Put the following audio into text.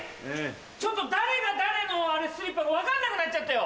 ちょっと誰が誰のスリッパか分かんなくなっちゃったよ！